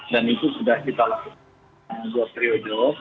dan itu sudah kita lakukan dua periode